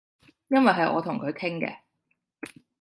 因爲係我同佢傾嘅